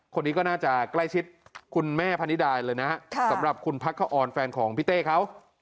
คนนี้ก็น่าจะใกล้ชิดคุณแม่พนิดายเลยนะฮะสำหรับคุณพักขออนแฟนของพี่เต้เขา